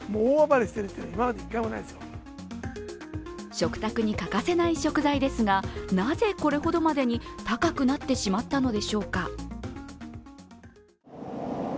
食卓に欠かせない食材ですが、なぜこれほどまでに高くなってしまったのでしょうか。